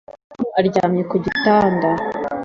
Tom aryamye ku gitanda